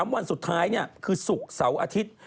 วันสุดท้ายคือศุกร์เสาร์อาทิตย์